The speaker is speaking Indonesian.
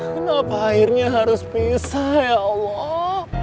kenapa akhirnya harus pisah ya allah